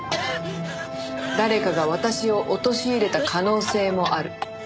誰かが私を陥れた可能性もある。